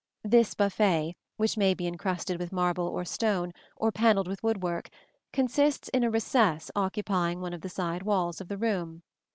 This buffet, which may be incrusted with marble or stone, or panelled with wood work, consists in a recess occupying one of the side walls of the room.